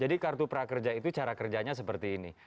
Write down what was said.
jadi kartu prakerja itu cara kerjanya seperti ini